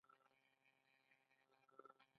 او پایله ورکوي.